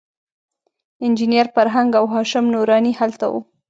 انجینر فرهنګ او هاشم نوراني هلته وو.